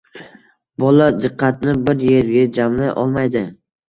bola diqqatini bir yerga jamlay olmaydi